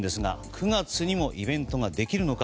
９月にもイベントができるのか。